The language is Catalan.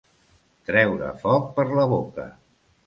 Treure foc per la boca.